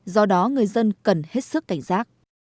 do đó người dân cần hết sức cảnh giác